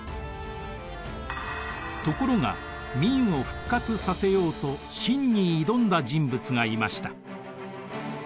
ところが明を復活させようと清に挑んだ人物がいました。